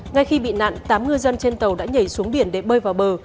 ngay khi bị nạn tám ngư dân trên tàu đã nhảy xuống biển để bơi vào bờ